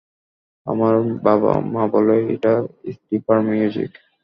আমার বাবা-মা বলল এটা স্ট্রিপার মিউজিক।